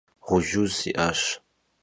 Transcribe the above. Ğujuz si'aş.